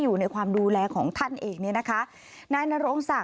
พูดว่าโอ้โหใช้คำนี้เลยแทบจะร้องไห้